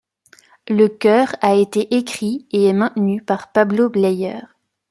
Le cœur a été écrit et est maintenu par Pablo Bleyer.